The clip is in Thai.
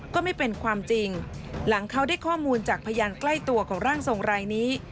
ก็ไม่เป็นความจริงหลังเขาได้ข้อมูลจากพยานใกล้ตัวของร่างทรงรายนี้